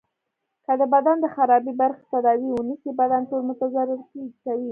که د بدن د خرابي برخی تداوي ونه سي بدن ټول متضرر کوي.